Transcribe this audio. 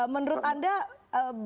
menurut anda bagaimana